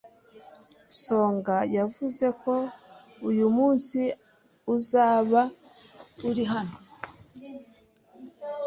Songa yavuze ko uyu munsi uzaba uri hano.